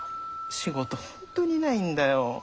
仕事本当にないんだよ。